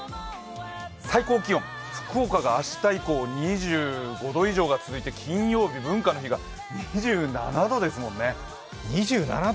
最高気温、福岡が明日以降２５度以上が続いて金曜日、文化の日が２７度ですもんね。